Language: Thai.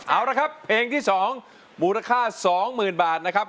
เอาละครับเพลงที่สองมูลค่าสองหมื่นบาทนะครับ